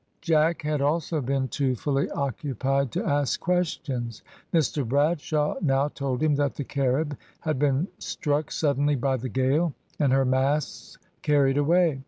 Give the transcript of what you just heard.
Jack had also been too fully occupied to ask questions. Mr Bradshaw now told him that the Carib had been struck suddenly by the gale, and her masts carried away.